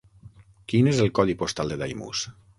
Quin és el codi postal de Daimús?